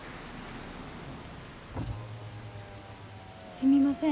すみません